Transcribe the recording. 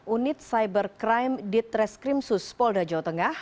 unit cyber crime ditreskrimsus polda jawa tengah